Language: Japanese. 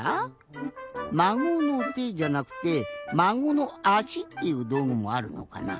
「まごのて」じゃなくて「まごのあし」っていうどうぐもあるのかな？